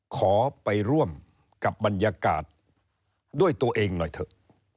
ขอไปร่วมกับบรรยากาศด้วยตัวเองหน่อยเถอะ